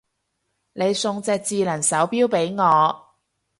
你送隻智能手錶俾我